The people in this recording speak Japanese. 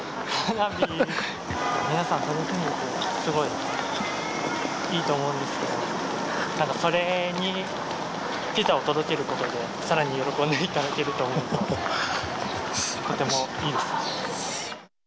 皆さん楽しんでて、すごいいいと思うんですけど、なんかそれにピザを届けることで、さらに喜んでいただけると思うと、とてもいいですね。